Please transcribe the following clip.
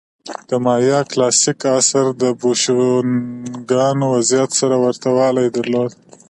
د مایا کلاسیک عصر د بوشونګانو وضعیت سره ورته والی درلود.